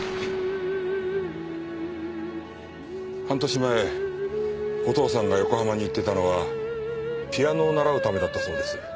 半年前お父さんが横浜に行っていたのはピアノを習うためだったそうです。